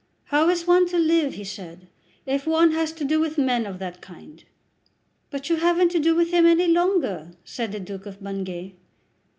"How is one to live," he said, "if one has to do with men of that kind?" "But you haven't to do with him any longer," said the Duke of St. Bungay.